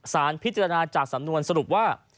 สารพิจารณาจากสำนวนสรุปว่า